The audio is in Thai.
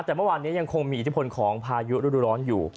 แต่เมื่อวานนี้ยังคงมีอิทธิพลของพายุฤดูร้อนอยู่